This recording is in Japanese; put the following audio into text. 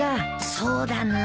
そうだな。